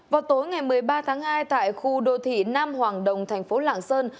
vào tối ngày một mươi ba tháng hai tại khu đô thị nam hoàng đồng tp lạng sơn